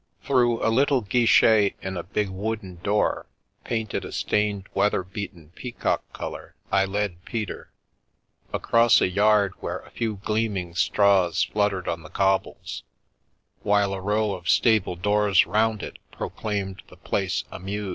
Through a little guichet in a big wooden door, painted a stained weather beaten peacock colour, I led Peter; across a yard where a few gleaming straws fluttered on the cobbles; while a row of stable doors round it proclaimed the place a mews.